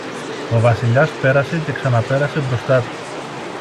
Ο Βασιλιάς πέρασε και ξαναπέρασε μπροστά του